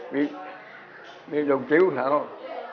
bẫy đồ chiếu thôi